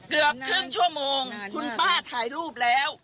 เกือบครึ่งชั่วโมงคุณป้าถ่ายรูปแล้ว